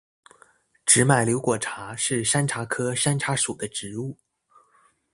直脉瘤果茶是山茶科山茶属的植物。